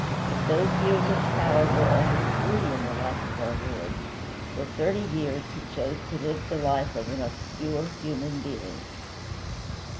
But those years of power were only three in the life of our Lord; for thirty years he chose to live the life of an obscure human being.